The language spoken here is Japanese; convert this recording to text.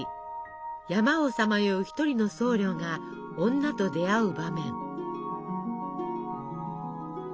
山をさまよう一人の僧侶が女と出会う場面。